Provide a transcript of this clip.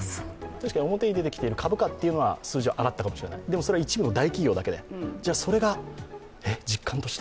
確かに表に出てきている株価は数字は上がったかもしれない、でも、それは一部の大企業だけでそれが実感として。